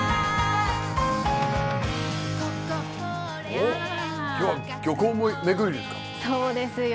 おっ今日は漁港巡りですか？